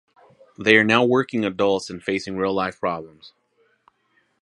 They are now working adults and facing real life problems.